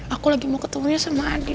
aku lagi mau ketemu dia sama adi